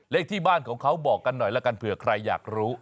เลขที่บ้านของเขาบอกกันหน่อยละกันเผื่อใครอยากรู้